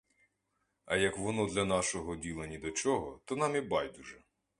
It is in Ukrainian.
А як воно для нашого діла ні до чого, то нам і байдуже.